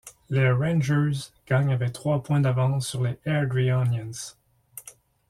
Les Rangers gagnent avec trois points d’avance sur les Airdrieonians.